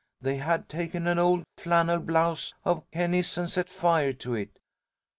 They had taken an old flannel blouse of Kenny's and set fire to it.